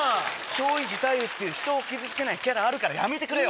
松陰寺太勇ってひとを傷つけないキャラあるからやめてくれよ。